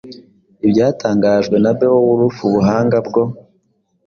ibyatangajwe na Beowulfubuhanga bwo